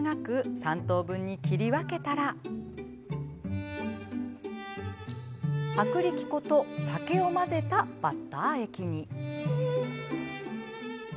３等分に切り分けたら薄力粉と酒を混ぜたバッター液に。